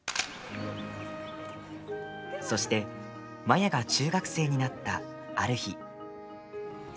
そしてマヤが中学生になったある日。